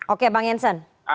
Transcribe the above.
oke bang jensen